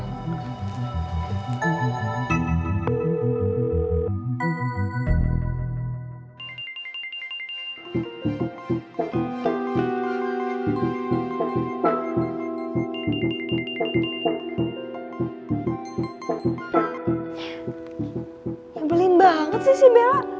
sambilin banget sih si bella